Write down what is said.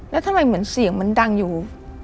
แล้วทำไมเหมือนเสียงมันดังอยู่